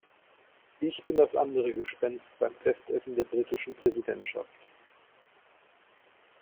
Ich bin das andere Gespenst beim Festessen der britischen Präsidentschaft.